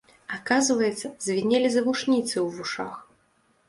Аказваецца, звінелі завушніцы ў вушах!